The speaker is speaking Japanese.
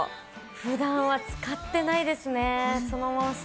普段は使ってないですね。